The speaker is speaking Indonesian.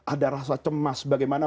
ada rasa cemas bagaimana